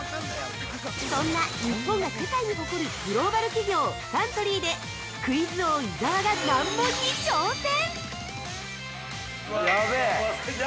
そんな日本が世界に誇るグローバル企業・サントリーでクイズ王・伊沢が難問に挑戦！